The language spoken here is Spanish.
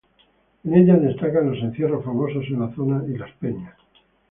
En ellas destacan los encierros, famosos en la zona, y las peñas.